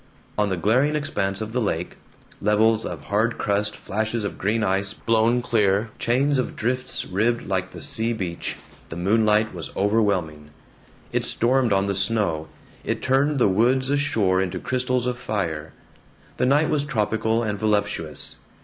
On the glaring expanse of the lake levels of hard crust, flashes of green ice blown clear, chains of drifts ribbed like the sea beach the moonlight was overwhelming. It stormed on the snow, it turned the woods ashore into crystals of fire. The night was tropical and voluptuous.